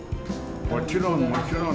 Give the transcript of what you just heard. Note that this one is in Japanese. もちろん、もちろん。